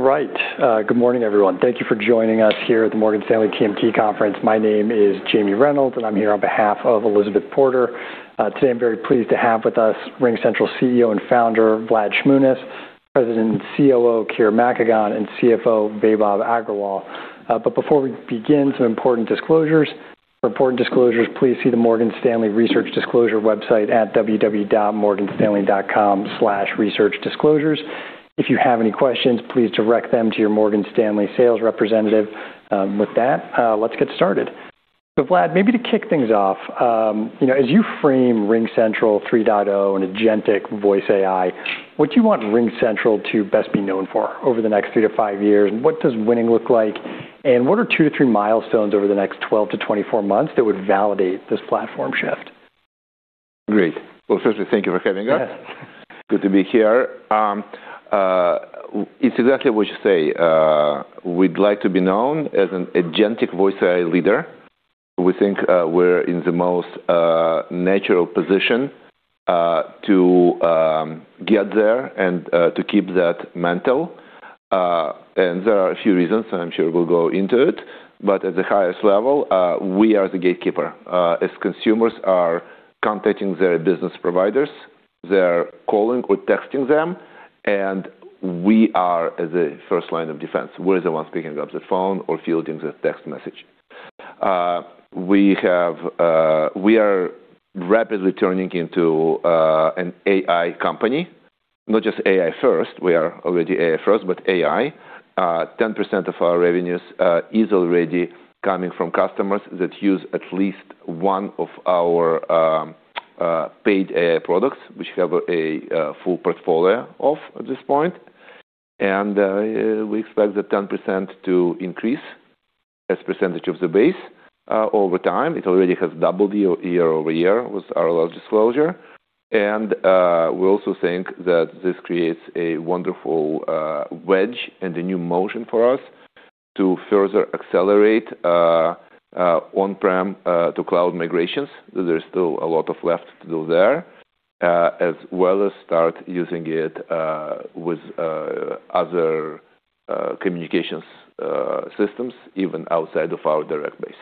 Good morning, everyone. Thank you for joining us here at the Morgan Stanley TMT conference. My name is Jamie Reynolds, and I'm here on behalf of Elizabeth Porter. Today I'm very pleased to have with us RingCentral CEO and founder Vlad Shmunis, President and COO Kira Makagon, and CFO Vaibhav Agarwal. Before we begin, some important disclosures. For important disclosures, please see the Morgan Stanley Research Disclosure website at www.morganstanley.com/researchdisclosures. If you have any questions, please direct them to your Morgan Stanley sales representative. With that, let's get started. Vlad, maybe to kick things off, you know, as you frame RingCentral 3.0 and agentic voice AI, what do you want RingCentral to best be known for over the next 3-5 years? What does winning look like? What are 2-3 milestones over the next 12-24 months that would validate this platform shift? Great. Firstly, thank you for having us. Yeah. Good to be here. It's exactly what you say. We'd like to be known as an agentic voice AI leader. We think we're in the most natural position to get there and to keep that mantle. There are a few reasons, and I'm sure we'll go into it. At the highest level, we are the gatekeeper. As consumers are contacting their business providers, they're calling or texting them, and we are the first line of defense. We're the ones picking up the phone or fielding the text message. We are rapidly turning into an AI company, not just AI first. We are already AI first, but AI. 10% of our revenues is already coming from customers that use at least one of our paid AI products, which we have a full portfolio of at this point. We expect the 10% to increase as percentage of the base over time. It already has doubled year-over-year with our last disclosure. We also think that this creates a wonderful wedge and a new motion for us to further accelerate on-prem to cloud migrations. There's still a lot of left to do there, as well as start using it with other communications systems even outside of our direct base.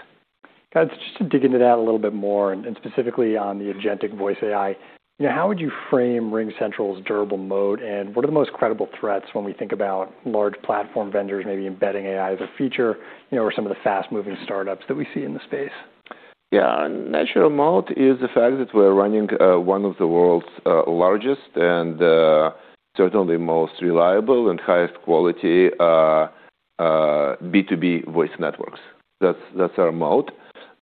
Got it. Just to dig into that a little bit more and specifically on the agentic voice AI, you know, how would you frame RingCentral's durable moat, and what are the most credible threats when we think about large platform vendors maybe embedding AI as a feature, you know, or some of the fast-moving startups that we see in the space? Yeah. Natural moat is the fact that we're running, one of the world's, largest and, certainly most reliable and highest quality, B2B voice networks. That's our moat.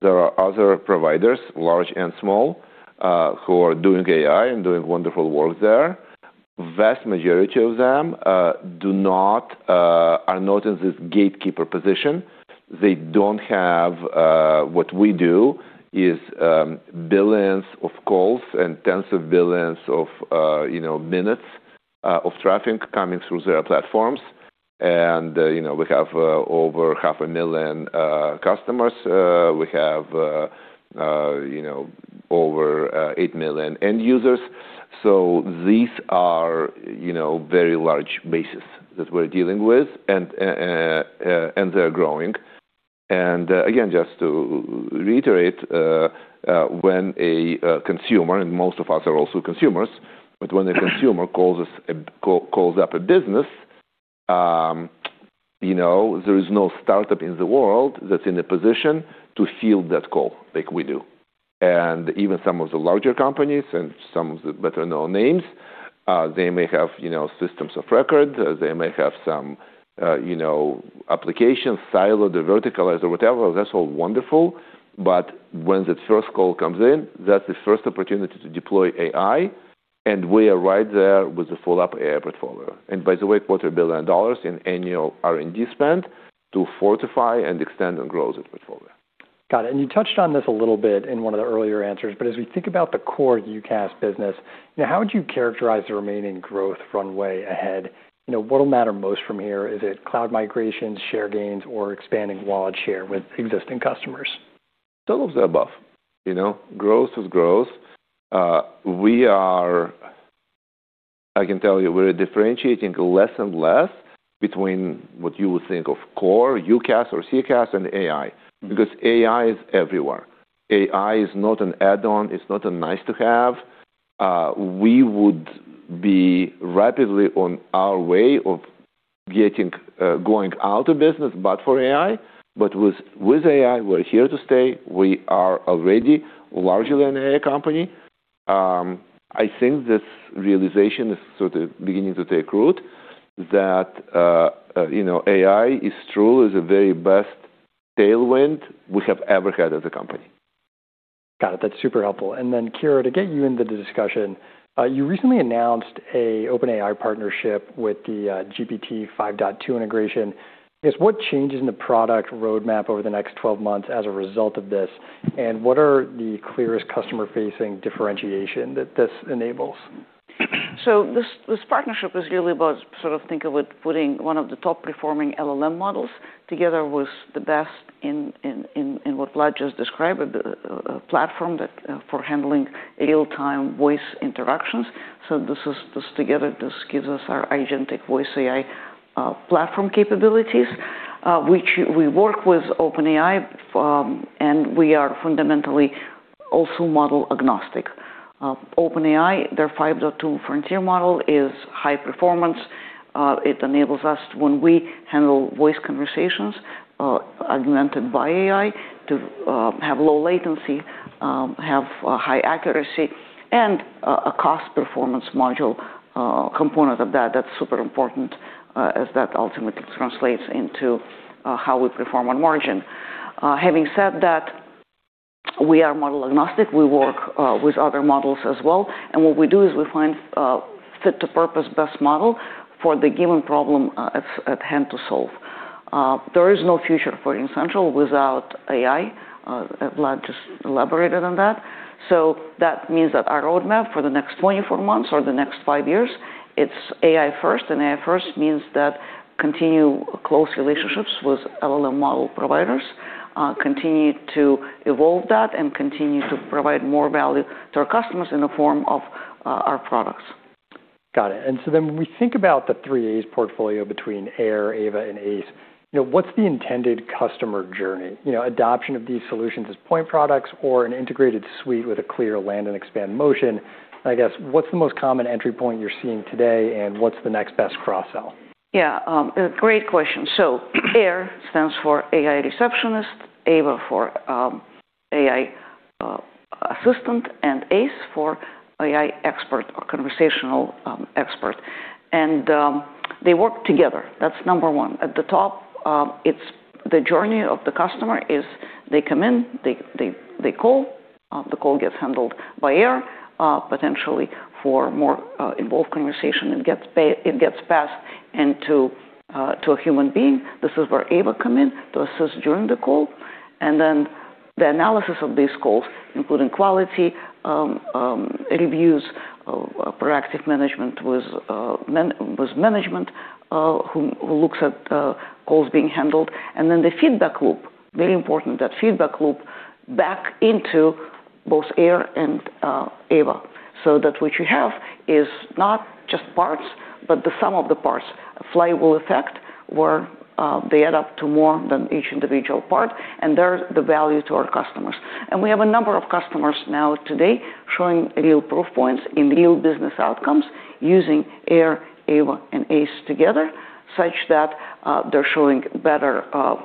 There are other providers, large and small, who are doing AI and doing wonderful work there. Vast majority of them are not in this gatekeeper position. They don't have... What we do is, billions of calls and tens of billions of, you know, minutes of traffic coming through their platforms. you know, we have over half a million customers. We have, you know, over 8 million end users. These are, you know, very large bases that we're dealing with. They're growing. Again, just to reiterate, when a consumer, and most of us are also consumers, but when a consumer calls up a business, you know, there is no startup in the world that's in a position to field that call like we do. Even some of the larger companies and some of the better-known names, they may have, you know, systems of record. They may have some, you know, application silo, the vertical as or whatever. That's all wonderful. When that first call comes in, that's the first opportunity to deploy AI, and we are right there with the full up AI portfolio. By the way, $250 million in annual R&D spend to fortify and extend and grow the portfolio. Got it. You touched on this a little bit in one of the earlier answers, but as we think about the core UCaaS business, you know, how would you characterize the remaining growth runway ahead? You know, what'll matter most from here? Is it cloud migrations, share gains, or expanding wallet share with existing customers? Some of the above. You know, growth is growth. I can tell you we're differentiating less and less between what you would think of core UCaaS or CCaaS and AI because AI is everywhere. AI is not an add-on. It's not a nice to have. We would be rapidly on our way of getting going out of business, but for AI. With AI, we're here to stay. We are already largely an AI company. I think this realization is sort of beginning to take root that, you know, AI is truly the very best tailwind we have ever had as a company. Got it. That's super helpful. Kira, to get you into the discussion, you recently announced a OpenAI partnership with the GPT-5.2 integration. I guess, what changes in the product roadmap over the next 12 months as a result of this, and what are the clearest customer-facing differentiation that this enables? This partnership is really about sort of think of it putting one of the top-performing LLM models together with the best in what Vlad just described, a platform that for handling real-time voice interactions. This is, this together, this gives us our agentic voice AI platform capabilities. Which we work with OpenAI, and we are fundamentally also model agnostic. OpenAI, their 5.2 frontier model is high performance. It enables us when we handle voice conversations, augmented by AI to have low latency, have high accuracy and a cost performance module component of that. That's super important as that ultimately translates into how we perform on margin. Having said that, we are model agnostic. We work with other models as well. What we do is we find fit-to-purpose best model for the given problem at hand to solve. There is no future for RingCentral without AI. Vlad just elaborated on that. That means that our roadmap for the next 24 months or the next 5 years, it's AI first, and AI first means that continue close relationships with LLM model providers, continue to evolve that and continue to provide more value to our customers in the form of our products. Got it. When we think about the three As portfolio between AIR, AVA, and ACE, you know, what's the intended customer journey? You know, adoption of these solutions as point products or an integrated suite with a clear land and expand motion. I guess, what's the most common entry point you're seeing today, and what's the next best cross-sell? Yeah, great question. AIR stands for AI Receptionist, AVA for AI Virtual Assistant, and ACE for AI Conversation Expert or conversational expert. They work together. That's number one. At the top, it's the journey of the customer is they come in, they call, the call gets handled by AIR, potentially for more involved conversation. It gets passed into a human being. This is where AVA come in to assist during the call. The analysis of these calls, including quality reviews, proactive management with management who looks at calls being handled. The feedback loop, very important, that feedback loop back into both AIR and AVA. What you have is not just parts, but the sum of the parts. Flywheel effect, where, they add up to more than each individual part, and they're the value to our customers. We have a number of customers now today showing real proof points in real business outcomes using AIR, AVA, and ACE together, such that, they're showing better...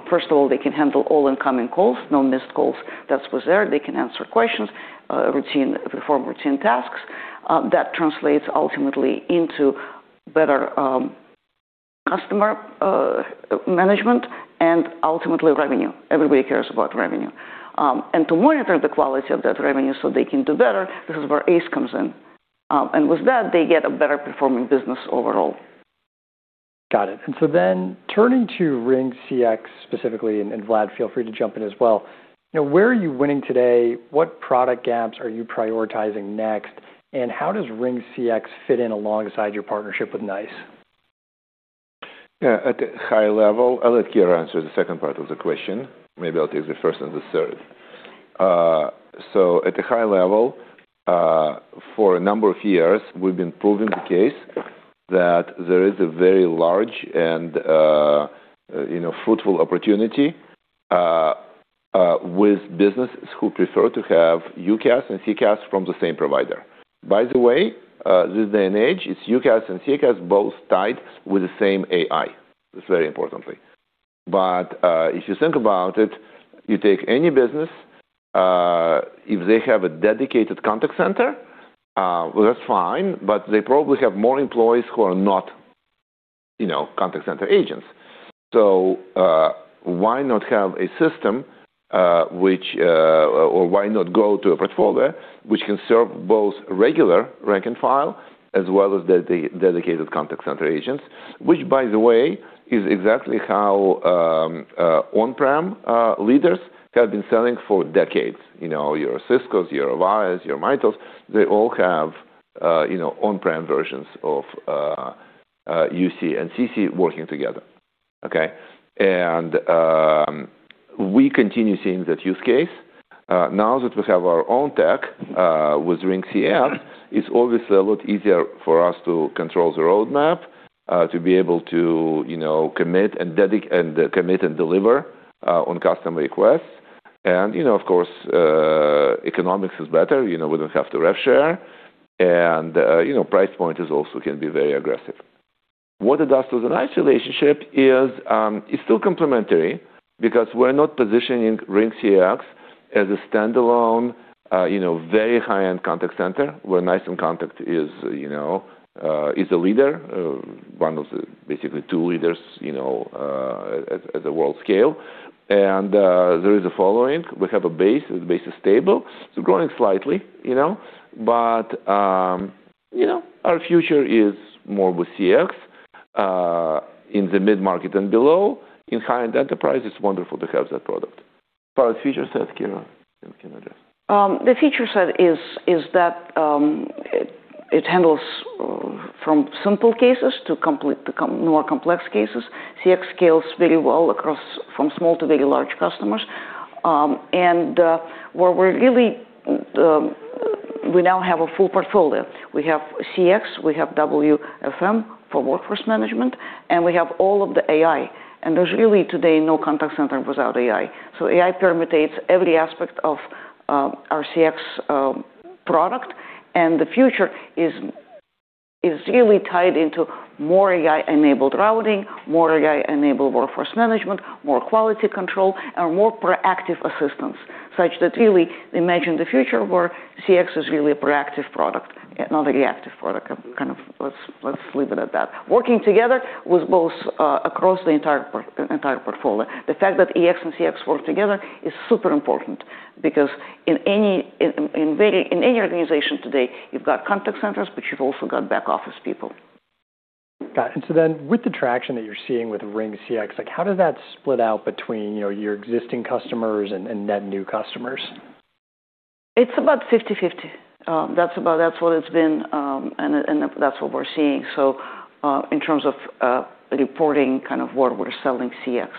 First of all, they can handle all incoming calls, no missed calls. That was there. They can answer questions, routine, perform routine tasks. That translates ultimately into better, customer, management and ultimately revenue. Everybody cares about revenue. To monitor the quality of that revenue so they can do better, this is where ACE comes in. With that, they get a better performing business overall. Got it. Turning to RingCX specifically, and Vlad, feel free to jump in as well. You know, where are you winning today? What product gaps are you prioritizing next? How does RingCX fit in alongside your partnership with NICE? Yeah. At a high level. I'll let Kira answer the second part of the question. Maybe I'll take the first and the third. At a high level, for a number of years, we've been proving the case that there is a very large and, you know, fruitful opportunity with businesses who prefer to have UCaaS and CCaaS from the same provider. By the way, this day and age, it's UCaaS and CCaaS both tied with the same AI. That's very importantly. If you think about it, you take any business, if they have a dedicated contact center, well, that's fine, but they probably have more employees who are not, you know, contact center agents. Why not have a system, which, or why not go to a portfolio which can serve both regular rank and file as well as dedicated contact center agents, which, by the way, is exactly how on-prem leaders have been selling for decades. You know, your Ciscos, your Avayas, your Mitels, they all have, you know, on-prem versions of UC and CC working together. Okay? We continue seeing that use case. Now that we have our own tech with RingCX, it's obviously a lot easier for us to control the roadmap, to be able to, you know, commit and commit and deliver on customer requests. And, you know, of course, economics is better. You know, we don't have to rev share. You know, price point is also can be very aggressive. What it does to the NICE relationship is, it's still complementary because we're not positioning RingCX as a standalone, you know, very high-end contact center, where NICE inContact is, you know, is a leader, one of the basically two leaders, you know, at the world scale. There is a following. We have a base. The base is stable. It's growing slightly, you know. Our future is more with CX, in the mid-market and below. In high-end enterprise, it's wonderful to have that product. Feature set, Kira, you can address. The feature set is that it handles from simple cases to more complex cases. RingCX scales very well across from small to very large customers. We now have a full portfolio. We have RingCX, we have WFM for workforce management, and we have all of the AI. There's really today, no contact center without AI. AI permit dates every aspect of our RingCX product. The future is really tied into more AI-enabled routing, more AI-enabled workforce management, more quality control, and more proactive assistance, such that really imagine the future where RingCX is really a proactive product, not a reactive product. Kind of let's leave it at that. Working together with both across the entire portfolio. The fact that RingEX and RingCX work together is super important because in any organization today, you've got contact centers, but you've also got back-office people. Got it. With the traction that you're seeing with RingCX, like how does that split out between, you know, your existing customers and net new customers? It's about 50/50. That's what it's been, and that's what we're seeing. In terms of reporting kind of where we're selling RingCX.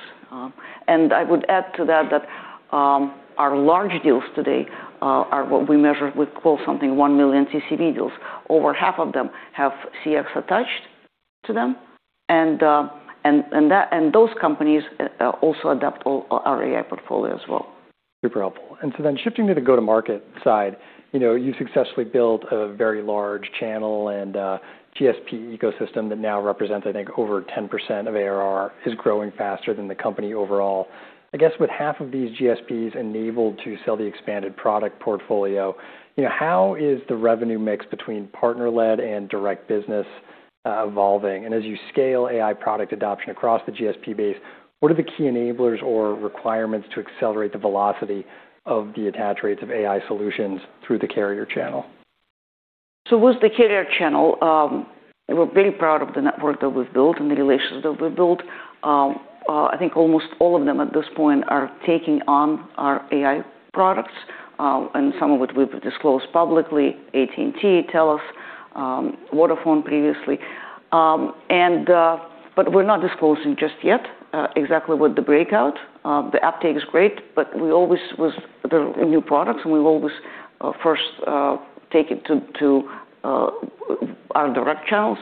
I would add to that our large deals today are what we measure, we call something $1 million TCV deals. Over half of them have RingCX attached to them, and those companies also adopt all our AI portfolio as well. Super helpful. Shifting to the go-to-market side, you know, you successfully built a very large channel and GSP ecosystem that now represents, I think, over 10% of ARR, is growing faster than the company overall. I guess with half of these GSPs enabled to sell the expanded product portfolio, you know, how is the revenue mix between partner-led and direct business evolving? As you scale AI product adoption across the GSP base, what are the key enablers or requirements to accelerate the velocity of the attach rates of AI solutions through the carrier channel? With the carrier channel, we're very proud of the network that we've built and the relationships that we've built. I think almost all of them at this point are taking on our AI products, and some of it we've disclosed publicly, AT&T, Telus, Vodafone previously. We're not disclosing just yet exactly what the breakout. The uptake is great, we always with the new products, and we've always first take it to our direct channels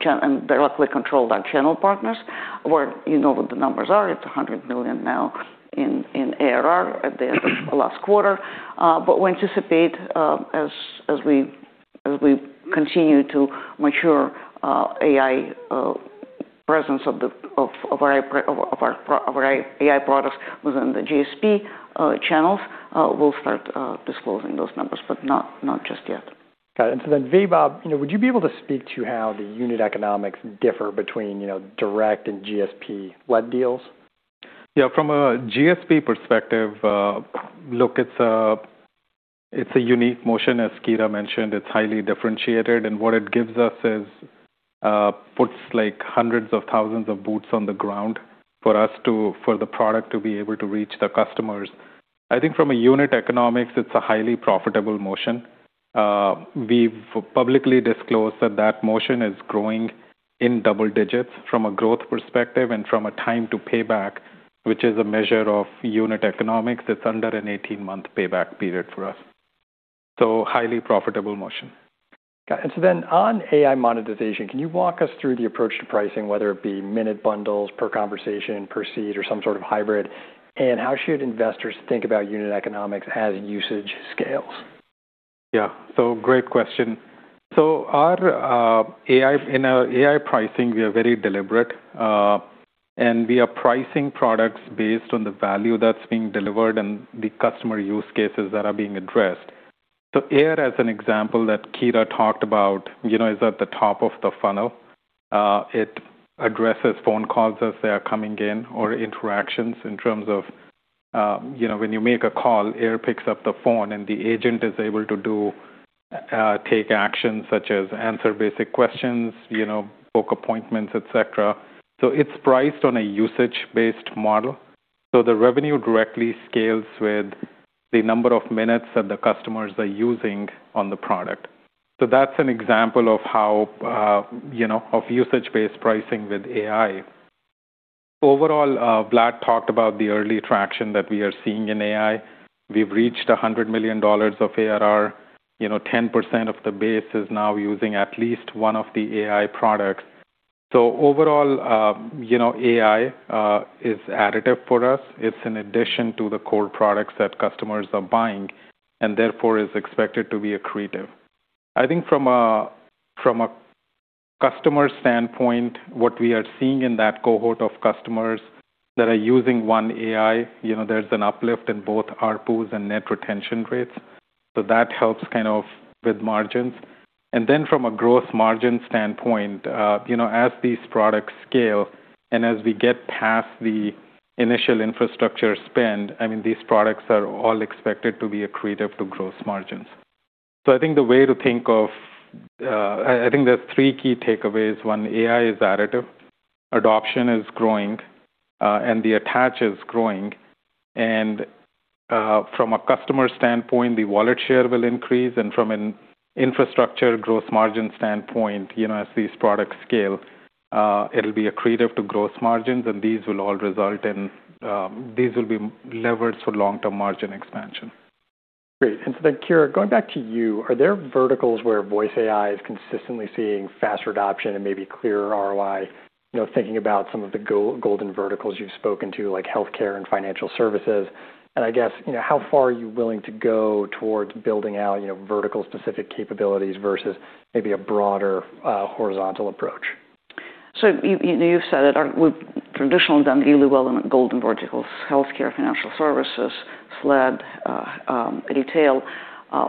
and directly control our channel partners where you know what the numbers are. It's $100 million now in ARR at the end of last quarter. We anticipate, as we continue to mature, AI, presence of the, of our AI products within the GSP, channels, we'll start disclosing those numbers, but not just yet. Got it. Vaibhav, you know, would you be able to speak to how the unit economics differ between, you know, direct and GSP-led deals? Yeah. From a GSP perspective, look, it's a, it's a unique motion. As Kira mentioned, it's highly differentiated, and what it gives us is, puts like hundreds of thousands of boots on the ground for the product to be able to reach the customers. I think from a unit economics, it's a highly profitable motion. We've publicly disclosed that that motion is growing in double digits from a growth perspective and from a time to payback, which is a measure of unit economics. It's under an 18-month payback period for us. Highly profitable motion. Got it. On AI monetization, can you walk us through the approach to pricing, whether it be minute bundles per conversation, per seat, or some sort of hybrid? How should investors think about unit economics as usage scales? Yeah. Great question. In our AI pricing, we are very deliberate, and we are pricing products based on the value that's being delivered and the customer use cases that are being addressed. AIR, as an example that Kira talked about, you know, is at the top of the funnel. It addresses phone calls as they are coming in or interactions in terms of, you know, when you make a call, AIR picks up the phone and the agent is able to take actions such as answer basic questions, you know, book appointments, etc. It's priced on a usage-based model. The revenue directly scales with the number of minutes that the customers are using on the product. That's an example of how, you know, of usage-based pricing with AI. Overall, Vlad talked about the early traction that we are seeing in AI. We've reached $100 million of ARR. You know, 10% of the base is now using at least 1 of the AI products. Overall, you know, AI, is additive for us. It's an addition to the core products that customers are buying and therefore is expected to be accretive. I think from a, from a customer standpoint, what we are seeing in that cohort of customers that are using 1 AI, you know, there's an uplift in both ARPUs and net retention rates. That helps kind of with margins. From a gross margin standpoint, you know, as these products scale and as we get past the initial infrastructure spend, I mean, these products are all expected to be accretive to gross margins. I think there are three key takeaways. One, AI is additive, adoption is growing, and the attach is growing. From a customer standpoint, the wallet share will increase, and from a. Infrastructure growth margin standpoint, you know, as these products scale, it'll be accretive to growth margins and these will all result in, these will be levers for long-term margin expansion. Great. Kira, going back to you. Are there verticals where voice AI is consistently seeing faster adoption and maybe clearer ROI? You know, thinking about some of the go-to verticals you've spoken to, like healthcare and financial services. I guess, you know, how far are you willing to go towards building out, you know, vertical-specific capabilities versus maybe a broader, horizontal approach? You said it. We've traditionally done really well in golden verticals: healthcare, financial services, SLED, retail.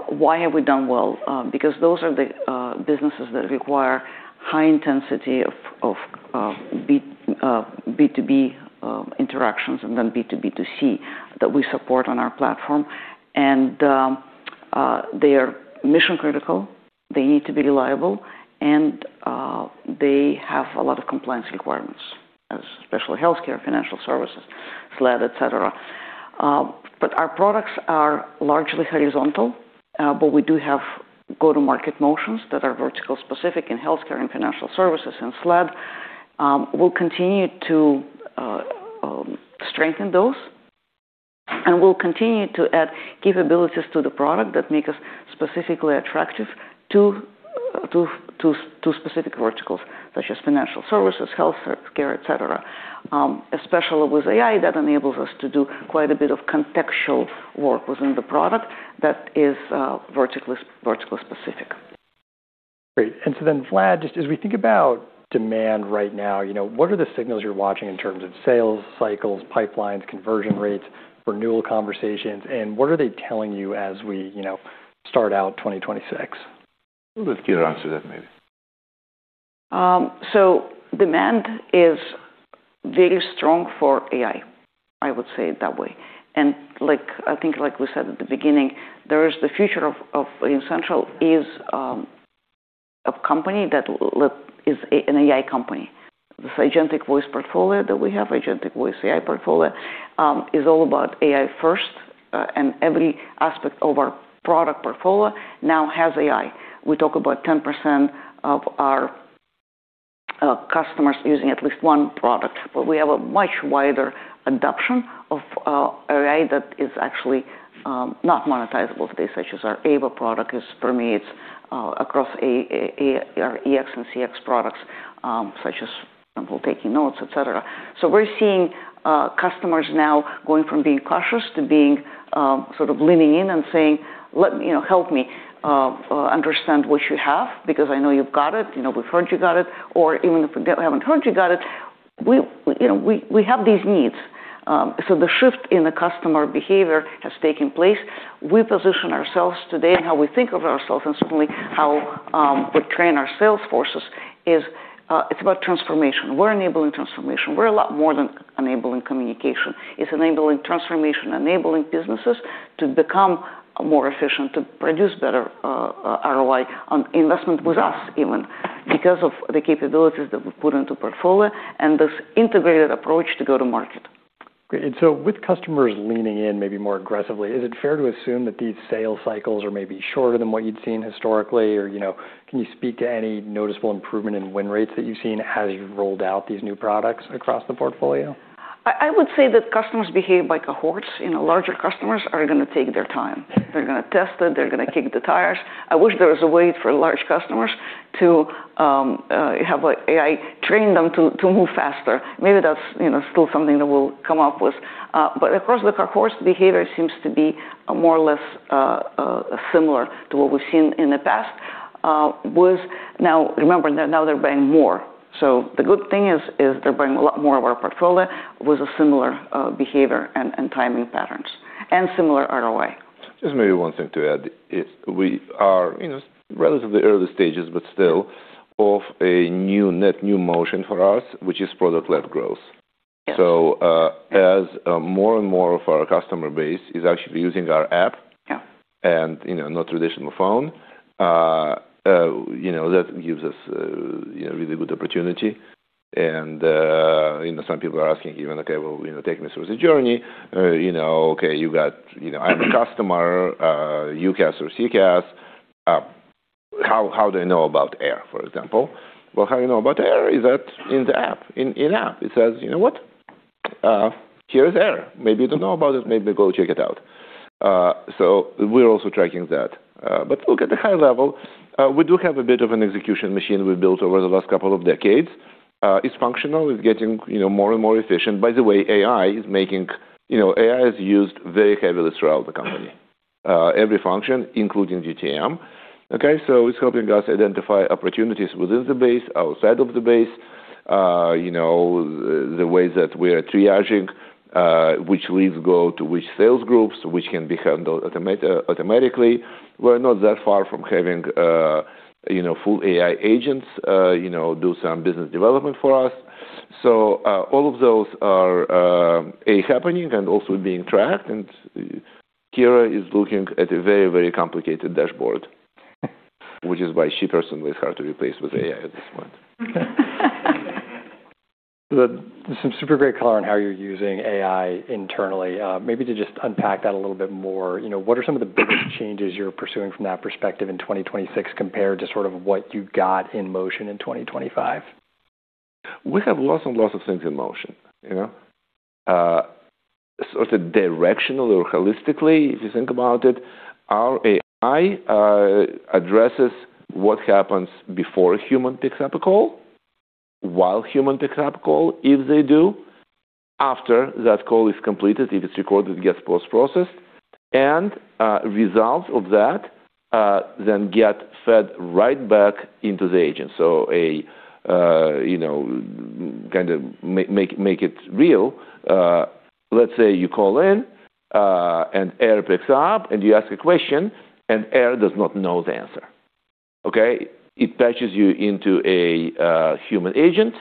Why have we done well? Because those are the businesses that require high intensity of B2B interactions and then B2B2C that we support on our platform. They are mission-critical, they need to be reliable, and they have a lot of compliance requirements, as especially healthcare, financial services, SLED, etc. Our products are largely horizontal, but we do have go-to-market motions that are vertical specific in healthcare and financial services and SLED. We'll continue to strengthen those, and we'll continue to add capabilities to the product that make us specifically attractive to specific verticals such as financial services, healthcare, etc. especially with AI, that enables us to do quite a bit of contextual work within the product that is vertical-specific. Great. Vlad, just as we think about demand right now, you know, what are the signals you're watching in terms of sales cycles, pipelines, conversion rates, renewal conversations, and what are they telling you as we, you know, start out 2026? We'll let Kira answer that maybe. Demand is very strong for AI. I would say it that way. Like, I think like we said at the beginning, there is the future of RingCentral is a company that is an AI company. This agentic voice portfolio that we have, agentic voice AI portfolio, is all about AI-first, and every aspect of our product portfolio now has AI. We talk about 10% of our customers using at least one product, but we have a much wider adoption of AI that is actually not monetizable to this, such as our AVA product permeates across our RingEX and RingCX products, such as sample taking notes, etc. We're seeing customers now going from being cautious to being sort of leaning in and saying, "Let me... You know, help me understand what you have, because I know you've got it. You know, we've heard you got it, or even if we haven't heard you got it, we, you know, we have these needs." The shift in the customer behavior has taken place. We position ourselves today and how we think of ourselves and certainly how we train our sales forces is, it's about transformation. We're enabling transformation. We're a lot more than enabling communication. It's enabling transformation, enabling businesses to become more efficient, to produce better ROI on investment with us even because of the capabilities that we've put into portfolio and this integrated approach to go to market. Great. With customers leaning in maybe more aggressively, is it fair to assume that these sales cycles are maybe shorter than what you'd seen historically? Or, you know, can you speak to any noticeable improvement in win rates that you've seen as you've rolled out these new products across the portfolio? I would say that customers behave like a horse. You know, larger customers are gonna take their time. They're gonna test it. They're gonna kick the tires. I wish there was a way for large customers to have AI train them to move faster. Maybe that's, you know, still something that we'll come up with. Of course, like our horse behavior seems to be more or less similar to what we've seen in the past. Now, remember that now they're buying more. The good thing is, they're buying a lot more of our portfolio with a similar behavior and timing patterns and similar ROI. Just maybe one thing to add is we are, you know, relatively early stages, but still of a new net, new motion for us, which is product-led growth. Yes. As, more and more of our customer base is actually using our app. Yeah. You know, not traditional phone, you know, that gives us, you know, really good opportunity. You know, some people are asking even, "Okay, well, you know, take me through the journey. You know, okay, you got, you know, I'm a customer, UCaaS or CCaaS, how do I know about AIR, for example?" Well, how you know about AIR is that in the app. In app, it says, "You know what? Here's AIR. Maybe you don't know about it. Maybe go check it out." We're also tracking that. Look at the high level. We do have a bit of an execution machine we've built over the last couple of decades. It's functional. It's getting, you know, more and more efficient. By the way, AI is making. You know, AI is used very heavily throughout the company. Every function, including GTM. Okay? It's helping us identify opportunities within the base, outside of the base. You know, the ways that we are triaging, which leads go to which sales groups, which can be handled automatically. We're not that far from having, you know, full AI agents, you know, do some business development for us. All of those are, A, happening and also being tracked. Kira is looking at a very, very complicated dashboard, which is why she personally is hard to replace with AI at this point. Some super great color on how you're using AI internally. Maybe to just unpack that a little bit more, you know, what are some of the biggest changes you're pursuing from that perspective in 2026 compared to sort of what you got in motion in 2025? We have lots and lots of things in motion, you know. Sort of directionally or holistically, if you think about it, our AI addresses what happens before a human picks up a call, while human picks up a call, if they do, after that call is completed, if it's recorded, it gets post-processed. Results of that get fed right back into the agent. You know, kind of make it real. Let's say you call in, AIR picks up, you ask a question, AIR does not know the answer, okay? It patches you into a human agent.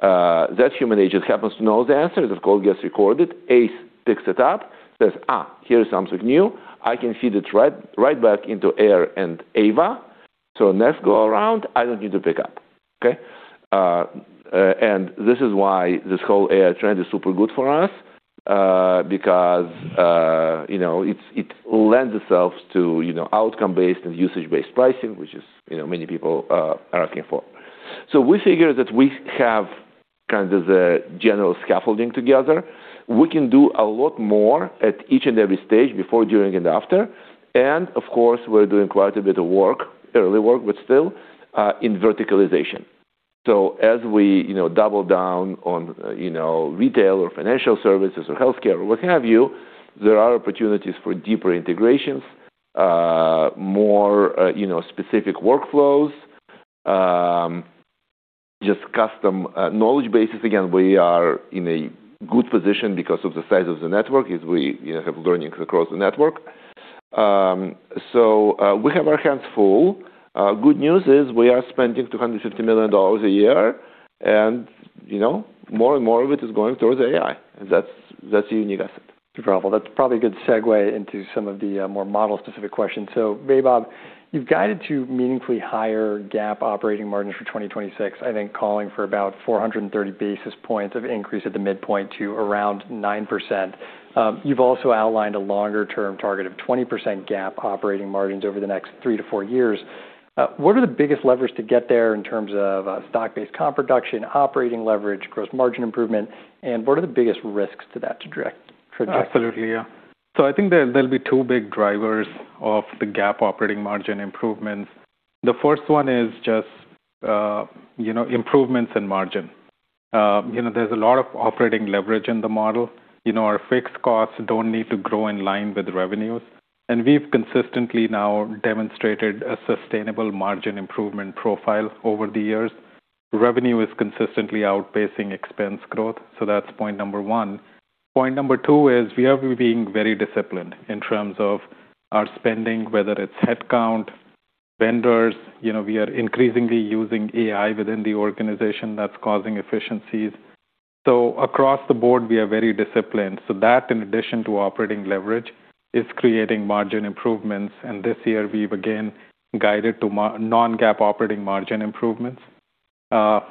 That human agent happens to know the answer. The call gets recorded. ACE picks it up, says, "Here's something new. I can feed it right back into AIR and AVA. Next go around, I don't need to pick up." Okay? And this is why this whole AI trend is super good for us because, you know, it lends itself to, you know, outcome-based and usage-based pricing, which is, you know, many people are asking for. We figure that we have kind of the general scaffolding together. We can do a lot more at each and every stage before, during, and after. Of course, we're doing quite a bit of work, early work, but still in verticalization. As we, you know, double down on, you know, retail or financial services or healthcare or what have you, there are opportunities for deeper integrations, more, you know, specific workflows, just custom knowledge bases. We are in a good position because of the size of the network, is we, you know, have learnings across the network. We have our hands full. Good news is we are spending $250 million a year and, you know, more and more of it is going towards AI. That's, that's a unique asset. Super helpful. That's probably a good segue into some of the more model-specific questions. Vaibhav, you've guided to meaningfully higher GAAP operating margins for 2026. I think calling for about 430 basis points of increase at the midpoint to around 9%. You've also outlined a longer-term target of 20% GAAP operating margins over the next three to four years. What are the biggest levers to get there in terms of stock-based comp reduction, operating leverage, gross margin improvement, and what are the biggest risks to that trajectory? Absolutely, yeah. I think there'll be two big drivers of the GAAP operating margin improvements. The first one is just, you know, improvements in margin. You know, there's a lot of operating leverage in the model. You know, our fixed costs don't need to grow in line with revenues. We've consistently now demonstrated a sustainable margin improvement profile over the years. Revenue is consistently outpacing expense growth. That's point number one. Point number two is we are being very disciplined in terms of our spending, whether it's headcount, vendors. You know, we are increasingly using AI within the organization that's causing efficiencies. Across the board, we are very disciplined. That in addition to operating leverage is creating margin improvements. This year we've again guided to non-GAAP operating margin improvements,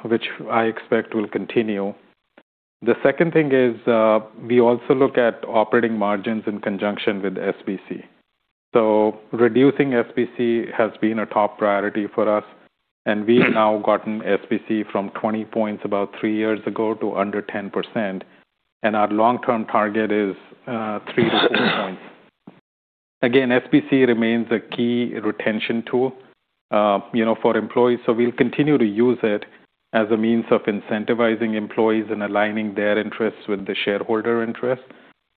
which I expect will continue. The second thing is, we also look at operating margins in conjunction with SBC. Reducing SBC has been a top priority for us, and we've now gotten SBC from 20 points about 3 years ago to under 10%, and our long-term target is 3-4 points. Again, SBC remains a key retention tool, you know, for employees. We'll continue to use it as a means of incentivizing employees and aligning their interests with the shareholder interest.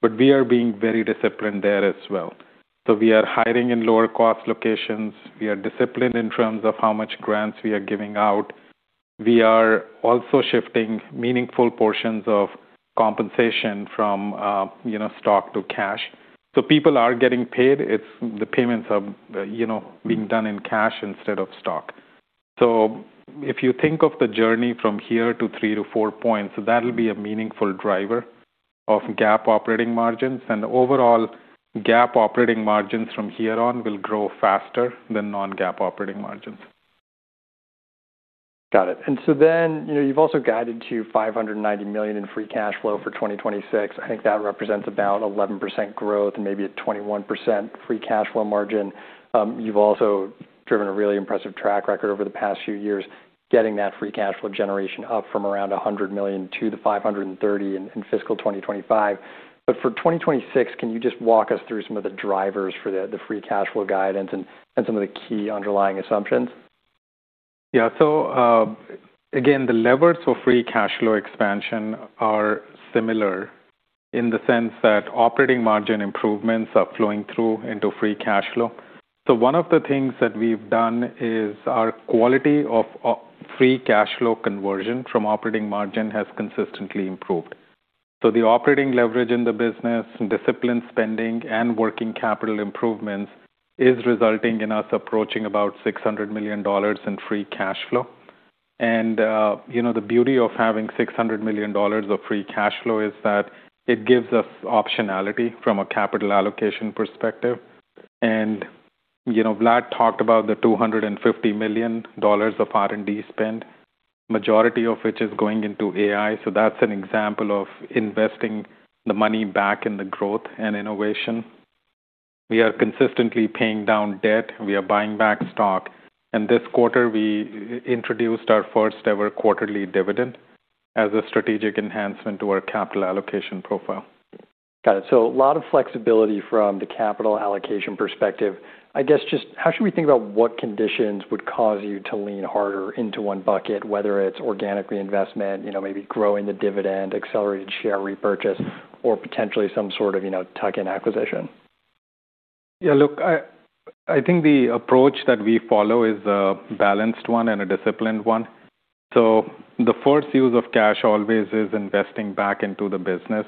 We are being very disciplined there as well. We are hiring in lower cost locations. We are disciplined in terms of how much grants we are giving out. We are also shifting meaningful portions of compensation from, you know, stock to cash. People are getting paid. It's the payments are, you know, being done in cash instead of stock. If you think of the journey from here to 3-4 points, that'll be a meaningful driver of GAAP operating margins. Overall GAAP operating margins from here on will grow faster than non-GAAP operating margins. You know, you've also guided to $590 million in free cash flow for 2026. I think that represents about 11% growth and maybe a 21% free cash flow margin. You've also driven a really impressive track record over the past few years, getting that free cash flow generation up from around $100 million to the $530 million in fiscal 2025. For 2026, can you just walk us through some of the drivers for the free cash flow guidance and some of the key underlying assumptions? Yeah. Again, the levers for free cash flow expansion are similar in the sense that operating margin improvements are flowing through into free cash flow. One of the things that we've done is our quality of free cash flow conversion from operating margin has consistently improved. The operating leverage in the business and disciplined spending and working capital improvements is resulting in us approaching about $600 million in free cash flow. You know, Vlad talked about the $250 million of R&D spend, majority of which is going into AI. That's an example of investing the money back in the growth and innovation. We are consistently paying down debt. We are buying back stock. This quarter, we introduced our first-ever quarterly dividend as a strategic enhancement to our capital allocation profile. Got it. A lot of flexibility from the capital allocation perspective. I guess, just how should we think about what conditions would cause you to lean harder into one bucket, whether it's organic reinvestment, you know, maybe growing the dividend, accelerated share repurchase, or potentially some sort of, you know, tuck-in acquisition? Yeah, look, I think the approach that we follow is a balanced one and a disciplined one. The first use of cash always is investing back into the business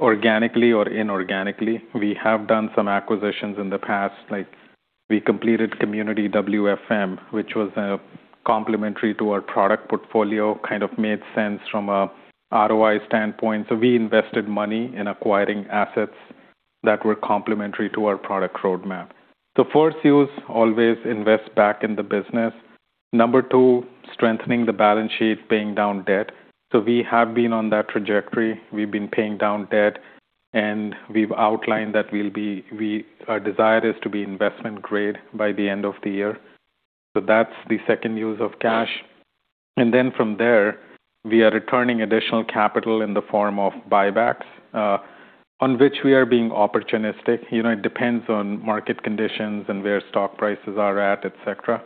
organically or inorganically. We have done some acquisitions in the past, like we completed CommunityWFM, which was complementary to our product portfolio, kind of made sense from a ROI standpoint. We invested money in acquiring assets that were complementary to our product roadmap. The first use always invests back in the business. Number two, strengthening the balance sheet, paying down debt. We have been on that trajectory. We've been paying down debt, and we've outlined that we'll be our desire is to be investment grade by the end of the year. That's the second use of cash. From there, we are returning additional capital in the form of buybacks, on which we are being opportunistic. You know, it depends on market conditions and where stock prices are at, etc.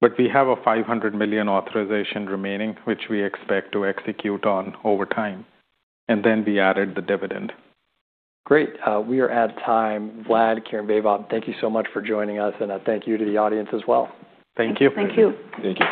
We have a $500 million authorization remaining, which we expect to execute on over time. We added the dividend. Great. We are at time. Vlad, Kira, Vaibhav, thank you so much for joining us, and a thank you to the audience as well. Thank you. Thank you. Thank you.